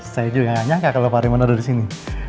saya juga gak nyangka kalau pak raymond ada disini